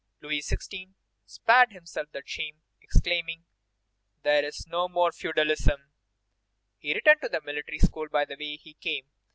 Louis XVI. spared himself that shame, exclaiming, "There is no more feudalism!" He returned to the Military School by the way he came.